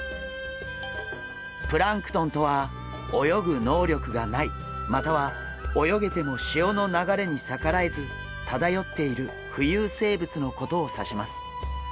プランクトンとは泳ぐ能力がないまたは泳げても潮の流れに逆らえず漂っている浮遊生物のことを指します。